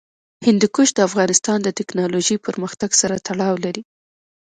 هندوکش د افغانستان د تکنالوژۍ پرمختګ سره تړاو لري.